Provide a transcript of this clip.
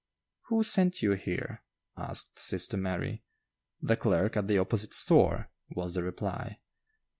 "Who sent you here?" asked sister Mary. "The clerk at the opposite store," was the reply.